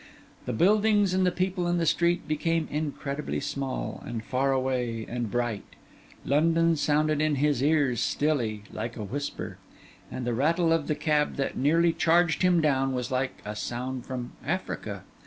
The buildings and the people in the street became incredibly small, and far away, and bright; London sounded in his ears stilly, like a whisper; and the rattle of the cab that nearly charged him down, was like a sound from Africa.